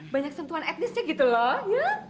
banyak sentuhan etnisnya gitu loh ya